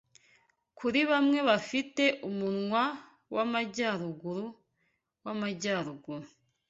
Kuri bamwe bafite umunwa wamajyaruguru wamajyaruguru